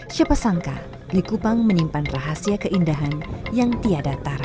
siapa sangka likupang menyimpan rahasia keindahan yang tiada tara